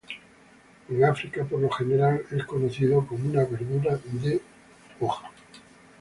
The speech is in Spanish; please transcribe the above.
En África, por lo general es cocido como una verdura de hoja.